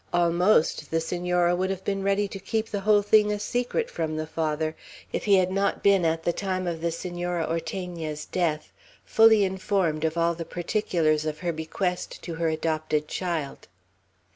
Almost the Senora would have been ready to keep the whole thing a secret from the Father, if he had not been at the time of the Senora Ortegna's death fully informed of all the particulars of her bequest to her adopted child.